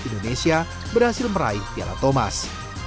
indonesia berhasil meraih piala thomas